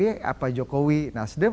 apakah jokowi nasdem